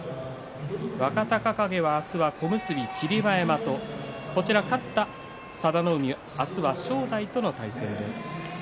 若隆景は明日は小結霧馬山と勝った佐田の海は明日は正代との対戦です。